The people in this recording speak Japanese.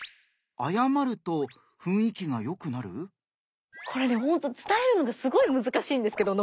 これねほんと伝えるのがすごい難しいんですけどノックアウトくんに。